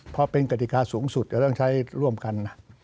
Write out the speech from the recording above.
เพราะเป็นกฎิกาสูงสุดอย่าต้องใช้ร่วมกัน